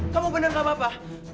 kamu benar gak apa apa